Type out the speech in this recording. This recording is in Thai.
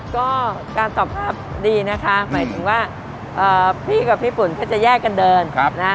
ก็การตอบภาพดีนะคะหมายถึงว่าพี่กับพี่ปุ่นก็จะแยกกันเดินนะฮะ